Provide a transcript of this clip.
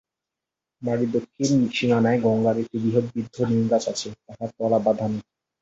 বাড়ির দক্ষিণ-সীমানায় গঙ্গার একটি বৃহৎ বৃদ্ধ নিমগাছ আছে, তাহার তলা বাঁধানো।